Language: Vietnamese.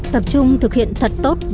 tập trung thực hiện thật tốt